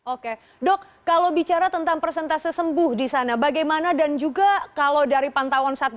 oke dok kalau bicara tentang persentase sembuh disana bagaimana dan juga kalau dari pantauan satga sendiri